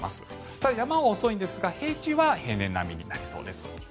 ただ、山は遅いんですが平地は平年並みになりそうです。